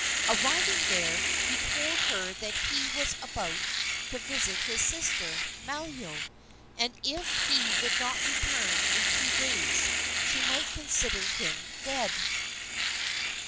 Arriving there, he told her that he was about to visit his sister, Malio, and if he did not return in two days she might consider him dead.